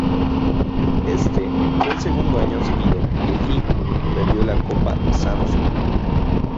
Este fue el segundo año seguido que Lee perdió la Copa Samsung.